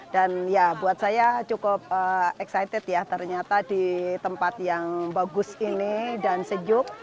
dan buat saya cukup excited ya ternyata di tempat yang bagus ini dan sejuk